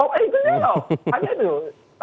oh itu ya